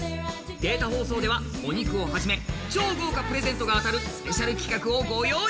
データ放送ではお肉をはじめ超豪華プレゼントが当たるスペシャル企画をご用意。